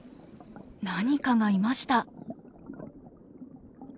何かがいました。